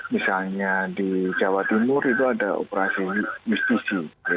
misalnya di jawa timur itu ada operasi justisi